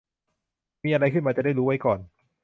มีอะไรขึ้นมาจะได้รู้ไว้ก่อน